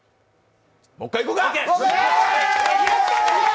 もう一回いこうか！